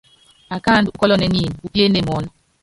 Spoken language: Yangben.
Akáandú ukɔ́lɔnɛ́ niimi, upíene muɔ́nɔ.